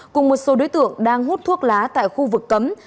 cùng một số đối tượng đang hút thuốc lá tại khu vực cấm